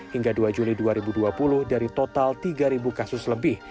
hingga dua juli dua ribu dua puluh dari total tiga kasus lebih